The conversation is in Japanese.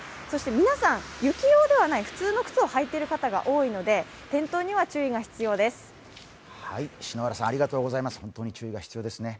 そして皆さん、雪用ではなく普通の靴を履いている方が多いので転倒には注意が必要です。